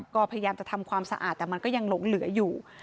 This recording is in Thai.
ก็พยายามจะทำความสะอาดแต่มันก็ยังหลงเหลืออยู่